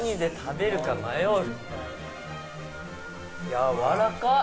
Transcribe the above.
やわらかっ！